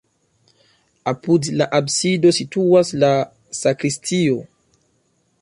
Apud la absido situas la sakristio.